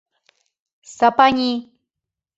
Сапани.